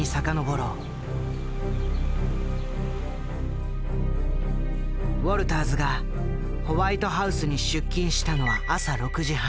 ウォルターズがホワイトハウスに出勤したのは朝６時半。